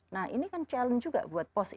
nah ini kan challenge juga buat pos